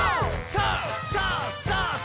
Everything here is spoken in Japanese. さあ！さあ！」